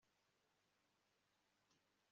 nti se uri nande